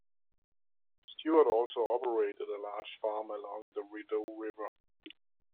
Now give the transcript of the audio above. Stewart also operated a large farm along the Rideau River.